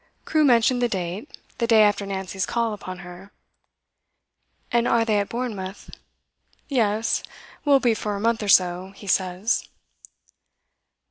Crewe mentioned the date; the day after Nancy's call upon her. 'And are they at Bournemouth?' 'Yes. Will be for a month or so, he says.